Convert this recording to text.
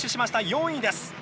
４位です。